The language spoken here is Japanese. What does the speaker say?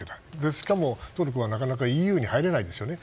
しかもトルコがなかなかＥＵに入れないですよね。